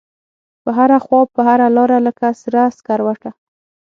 په هره خواپه هره لاره لکه سره سکروټه